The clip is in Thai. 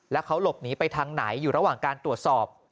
แล้วเขาหลบหนีไปทางไหนอยู่ระหว่างการตรวจสอบ